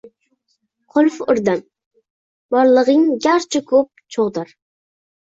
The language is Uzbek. Qulf urdim, borliging garchi ko‘p cho‘g‘dir